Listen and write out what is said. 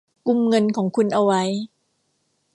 กุมเงินของคุณเอาไว้